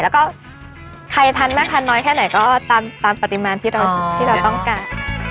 แล้วก็ใครทานมากทานน้อยแค่ไหนก็ตามปริมาณที่เราต้องการ